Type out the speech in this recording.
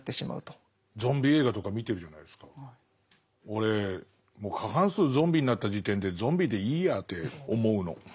俺もう過半数ゾンビになった時点でゾンビでいいやって思うの。